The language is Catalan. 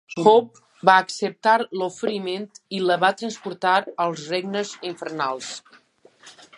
Hope va acceptar l'oferiment i la va transportar als regnes infernals.